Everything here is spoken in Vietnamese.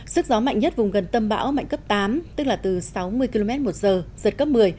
sức gió mạnh nhất vùng gần tâm bão mạnh cấp tám tức là từ sáu mươi km một giờ giật cấp một mươi